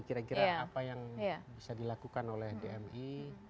kira kira apa yang bisa dilakukan oleh dmi